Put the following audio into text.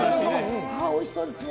おいしそうですね。